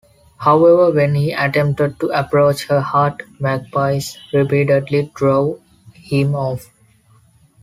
However, when he attempted to approach her hut, magpies repeatedly drove him off.